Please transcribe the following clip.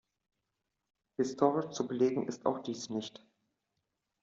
Historisch zu belegen ist auch dies nicht.